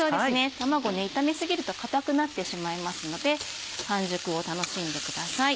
卵炒め過ぎると硬くなってしまいますので半熟を楽しんでください。